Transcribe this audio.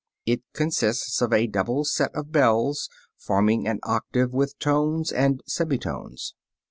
It consists of a double series of bells forming an octave with tones and semitones.